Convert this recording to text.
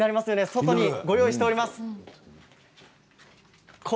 外にご用意してあります。